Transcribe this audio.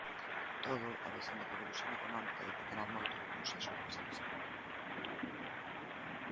Con todo, avisan de que a evolución económica dependerá moito do proceso de vacinación.